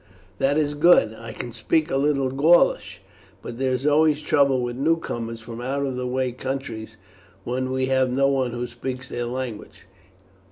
"That is good. I can speak a little Gaulish; but there is always trouble with newcomers from out of the way countries when we have no one who speaks their language."